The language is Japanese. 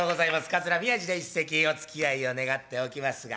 桂宮治で一席おつきあいを願っておきますが。